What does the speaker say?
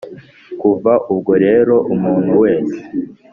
kuva ubwo rero umuntu wese